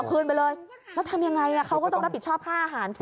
คืนไปเลยแล้วทำยังไงเขาก็ต้องรับผิดชอบค่าอาหารสิ